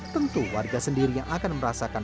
tentu warga sendiri yang akan merasakan